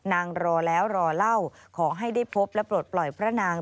รอแล้วรอเล่าขอให้ได้พบและปลดปล่อยพระนาง